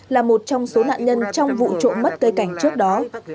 là một trong số nạn nhân trong vụ trộm mất cây cảnh trước đó